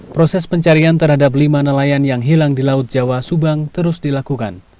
proses pencarian terhadap lima nelayan yang hilang di laut jawa subang terus dilakukan